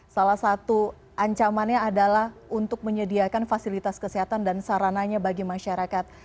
salah satu ancamannya adalah untuk menyediakan fasilitas kesehatan dan sarananya bagi masyarakat